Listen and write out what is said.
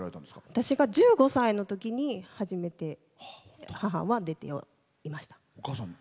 私が１５歳のときに初めて母は出ていました。